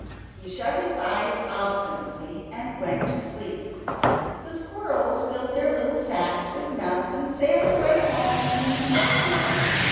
He shut his eyes obstinately and went to sleep. The squirrels filled their little sacks with nuts, and sailed away home in the evening.